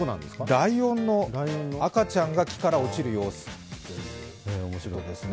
ライオンの赤ちゃんが木から落ちる様子、面白いですね。